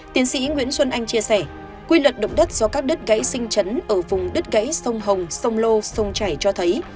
tiến sĩ nguyễn xuân anh chia sẻ quy luật động đất do các đất gãy sinh chấn ở vùng đất gãy sông hồng sông lô sông chảy cho thấy